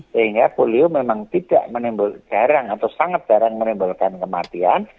sehingga polio memang tidak menimbulkan jarang atau sangat jarang menimbulkan kematian